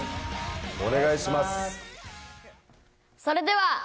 それでは。